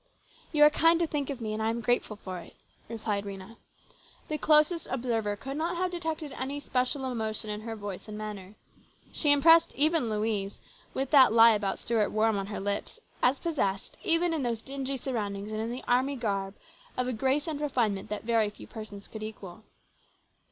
" You are kind to think of me and I am grateful for it," replied Rhena. The closest observer could not have detected any special emotion in her voice and manner. She impressed even Louise, with that 168 HIS BROTHER'S KEEPER. lie about Stuart warm on her lips, as possessed, even in those dingy surroundings and in the army garb, of a grace and refinement that very few persons could equal.